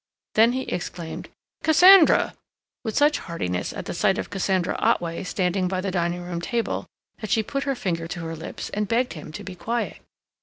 Then he exclaimed "Cassandra!" with such heartiness at the sight of Cassandra Otway standing by the dining room table that she put her finger to her lips and begged him to be quiet.